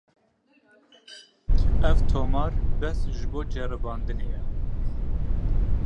Partiya Demokratîk a Gelan li ser îdiayan daxuyaniyek belav kir.